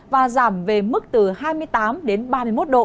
và giảm về mức từ hai mươi tám đến ba mươi một độ